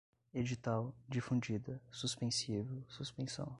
edital, difundida, suspensivo, suspensão